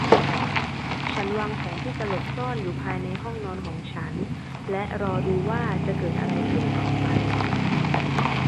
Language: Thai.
ฉันวางแผนที่จะหลบซ่อนอยู่ภายในห้องนอนของฉันและรอดูว่าจะเกิดอะไรขึ้นต่อไป